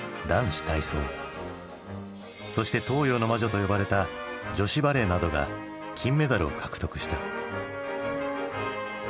そして「東洋の魔女」と呼ばれた女子バレーなどが金メダルを獲得した。